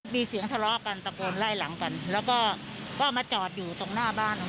มีเสียงทะเลาะกันตะโกนไล่หลังกันแล้วก็ก็มาจอดอยู่ตรงหน้าบ้าน